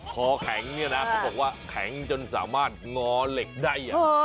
คอแข็งเนี่ยนะเขาบอกว่าแข็งจนสามารถงอเหล็กได้